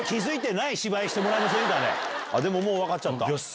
でももう分かっちゃった。